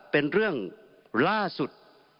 เป็นเรื่องล่าสุด